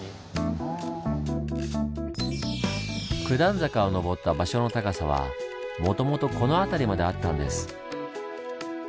九段坂を上った場所の高さはもともとこの辺りまであったんです。